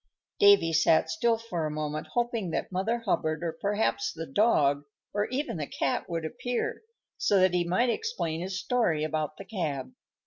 Davy sat still for a moment, hoping that Mother Hubbard, or perhaps the dog, or even the cat, would appear, so that he might explain his story about the cab.